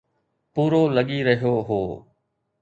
پورو لڳي رهيو هو.